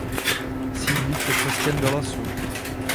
Sídlí v texaském Dallasu.